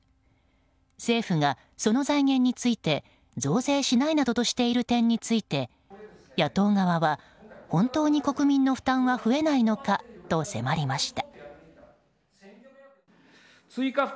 政府がその財源について増税しないなどとしている点について野党側は、本当に国民の負担は増えないのかと迫りました。